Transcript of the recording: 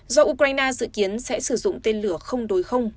do ukraine dự kiến sẽ sử dụng tên lửa không đối không